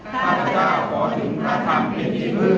ข้าพเจ้าขอถึงพระธรรมเป็นที่พึ่ง